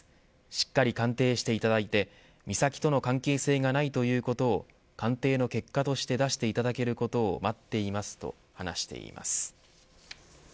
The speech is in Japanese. しっかり鑑定していただいて美咲との関係性がないということを鑑定の結果として出していただけることを待っていますと話しています。